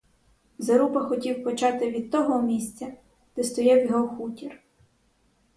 Заруба хотів почати від того місця, де стояв його хутір.